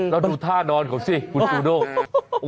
แล้วดูท่านอนเขาสิคุณฟุนกโอ้โฮ